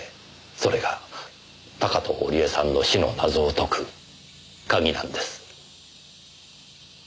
それが高塔織絵さんの死の謎を解く鍵なんです。